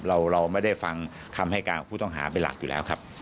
เราไม่ได้ฟังคำให้การของผู้ต้องหาเป็นหลักอยู่แล้วครับ